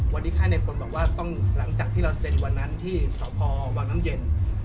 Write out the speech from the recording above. วันนี้ค่ายในพลบอกว่าต้องหลังจากที่เราเซ็นวันนั้นที่สพวังน้ำเย็น